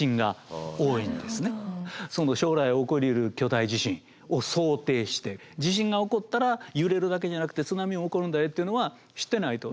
その将来起こりうる巨大地震を想定して地震が起こったら揺れるだけじゃなくて津波も起こるんだよってのは知ってないと。